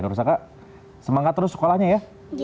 nur saka semangat terus sekolahnya ya